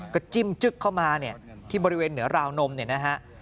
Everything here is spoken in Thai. ก็จิ้มจึ๊กเข้ามาเนี่ยที่บริเวณเหนือราวนมเนี่ยนะฮะ